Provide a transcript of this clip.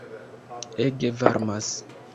Ege varmas!